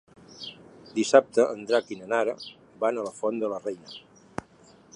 Dissabte en Drac i na Nara van a la Font de la Reina.